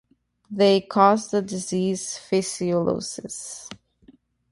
They cause the disease fasciolosis.